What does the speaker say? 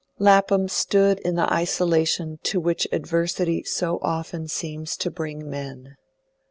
Lapham stood in the isolation to which adversity so often seems to bring men.